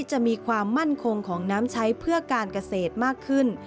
จะมีความมั่นคงของน้ำใช้เพื่อการเกษตรมากขึ้น